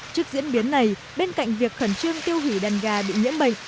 trước diễn biến này bên cạnh việc khẩn trương tiêu hủy đàn gà bị nhiễm bệnh